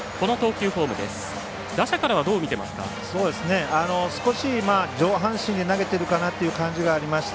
打者からはどう見ていますか？